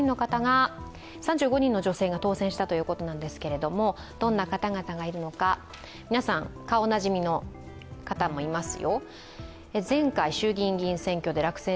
３５人の女性が当選したということですけれども、どんな方々がいるのか、皆さん顔なじみの方もいます。